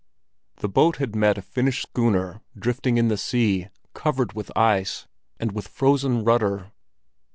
The boat had met a Finnish schooner drifting in the sea, covered with ice, and with frozen rudder.